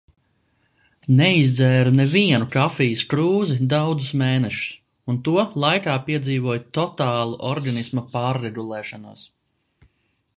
Neizdzēru nevienu kafijas krūzi daudzus mēnešus, un to laikā piedzīvoju totālu organisma pārregulēšanos.